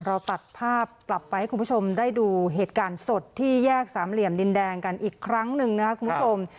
เราตัดภาพกลับไปให้คุณผู้ชมได้ดูเหตุการณ์สดที่แยกสามเหลี่ยมดินแดงกันอีกครั้งหนึ่งนะครับคุณผู้ชม